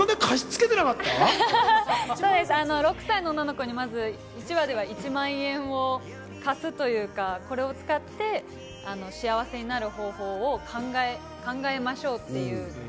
６歳の女の子に１話では１万円を貸すというか、これを使って幸せになる方法を考えましょうと。